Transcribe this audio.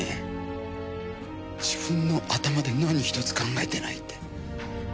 自分の頭で何ひとつ考えてないって。